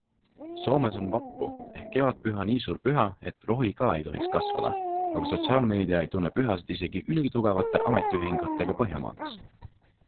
Soomes on vappu ehk kevadpüha nii suur püha, et rohi ka ei tohiks kasvada, aga sotsiaalmeedia ei tunne pühasid isegi ülitugevate ametiühingutega Põhjamaades.